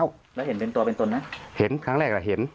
แล้วเห็นเป็นตัวเป็นตนไหมเห็นครั้งแรกอ่ะเห็น